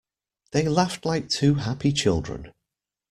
They laughed like two happy children.